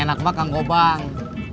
yang enak mah kanggobang